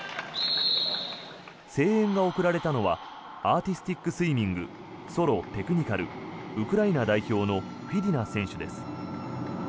声援が送られたのはアーティスティックスイミングソロ・テクニカルウクライナ代表のフィディナ選手です。